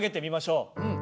うん。